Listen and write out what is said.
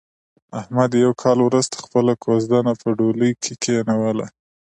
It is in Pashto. احمد یو کال ورسته خپله کوزدنه په ډولۍ کې کېنوله.